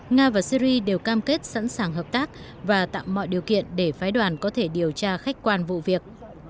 nga và syri đều cam kết sẵn sàng hợp tác và tạo mọi điều kiện để phái đoàn có thể điều tra khách quan vụ việc